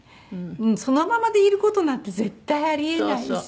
そのままでいる事なんて絶対ありえないし。